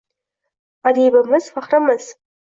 Adibimiz – faxrimiz